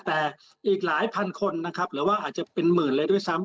แต่อีกหลายพันคนอาจจะเป็นหมื่นเลยด้วยซ้ำ